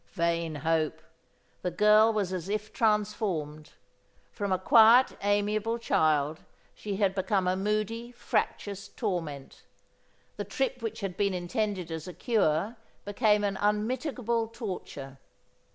Vain hope! The girl was as if transformed. From a quiet, amiable child, she had become a moody, fractious torment. The trip which had been intended as a cure became an unmitigable torture.